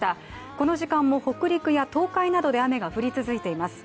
この時間も北陸や東海などで雨が降り続いています。